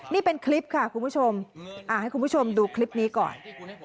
นี่เป็นคลิปค่ะคุณผู้ชมให้คุณผู้ชมดูคลิปนี้ก่อน